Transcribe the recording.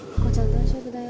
大丈夫だよ。